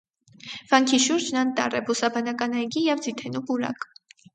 Վանքի շուրջն անտառ է, բուսաբանական այգի և ձիթենու պուրակ։